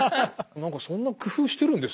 何かそんな工夫してるんですね。